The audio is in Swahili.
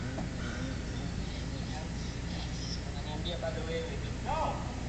Ana majuto baada ya kuacha shule